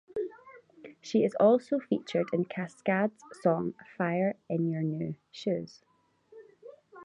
She is also featured in Kaskade's song "Fire in Your New Shoes".